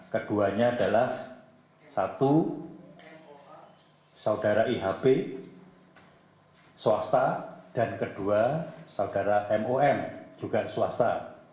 keduanya adalah satu saudara ihp swasta dan kedua saudara mom juga swasta